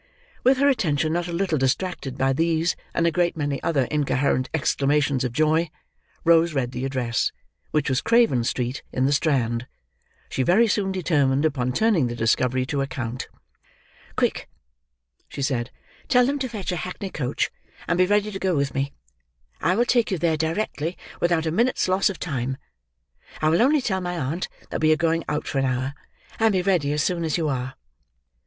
With her attention not a little distracted by these and a great many other incoherent exclamations of joy, Rose read the address, which was Craven Street, in the Strand. She very soon determined upon turning the discovery to account. "Quick!" she said. "Tell them to fetch a hackney coach, and be ready to go with me. I will take you there directly, without a minute's loss of time. I will only tell my aunt that we are going out for an hour, and be ready as soon as you are."